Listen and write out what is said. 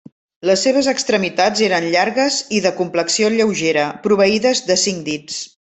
Les seves extremitats eren llargues i de complexió lleugera, proveïdes de cinc dits.